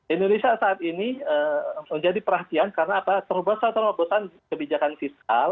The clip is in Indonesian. indonesia saat ini menjadi perhatian karena apa terobosan terobosan kebijakan fiskal